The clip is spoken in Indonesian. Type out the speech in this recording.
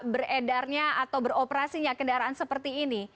beredarnya atau beroperasinya kendaraan seperti ini